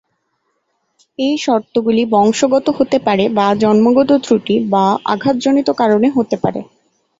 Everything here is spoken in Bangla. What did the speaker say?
এই শর্তগুলি বংশগত হতে পারে বা জন্মগত ত্রুটি বা আঘাতজনিত কারণে হতে পারে।